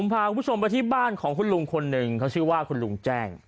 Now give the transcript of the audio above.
พาคุณผู้ชมไปที่บ้านของคุณลุงคนหนึ่งเขาชื่อว่าคุณลุงแจ้ง